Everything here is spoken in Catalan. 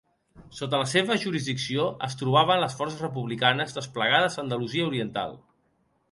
Sota la seva jurisdicció es trobaven les forces republicanes desplegades a Andalusia Oriental.